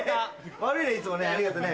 悪いねいつもねありがとね。